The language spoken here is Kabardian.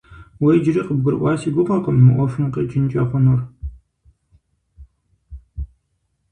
Уэ иджыри къыбгурыӀуа си гугъэкъым мы Ӏуэхум къикӀынкӀэ хъунур.